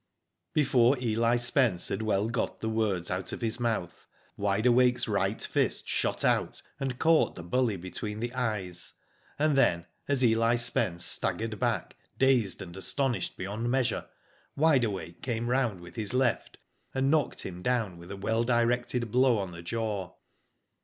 Before Eli Spence had well got the words out of his mouth, Wide Awake's right fist shot out ^nd caught the bully between the eyes, and then as Eli Spence staggered back, dazed and astonished beyond measure. Wide Awake came round with his left, and knocked him down with a well directed blow on the jaw.